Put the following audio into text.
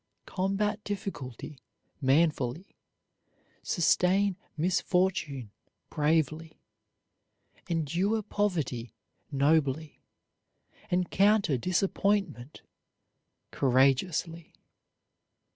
Combat difficulty manfully; sustain misfortune bravely; endure poverty nobly; encounter disappointment courageously.